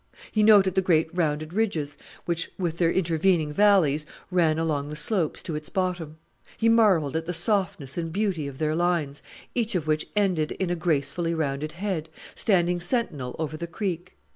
He noted the great rounded ridges, which, with their intervening valleys, ran along the slopes to its bottom. He marvelled at the softness and beauty of their lines, each of which ended in a gracefully rounded head, standing sentinel over the creek.